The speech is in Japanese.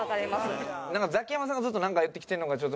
ザキヤマさんがずっとなんか言ってきてるのがちょっと。